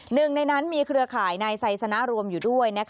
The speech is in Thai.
หนึ่งในนั้นมีเครือข่ายนายไซสนะรวมอยู่ด้วย